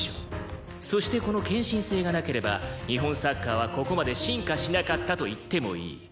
「そしてこの献身性がなければ日本サッカーはここまで進化しなかったと言ってもいい」